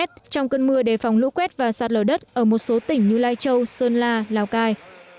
trong cơn mưa đề phòng lũ quét và sạt lở đất ở một số tỉnh như lai châu sơn la lào cai